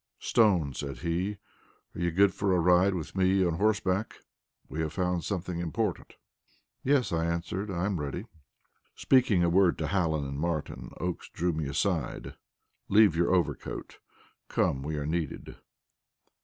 "Stone," said he, "are you good for a ride with me on horseback? We have found something important." "Yes," I answered, "I am ready." Speaking a word to Hallen and Martin, Oakes drew me aside. "Leave your overcoat. Come, we are needed."